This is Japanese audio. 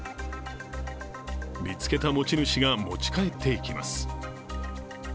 見つけた持ち主が持ち帰っていきます。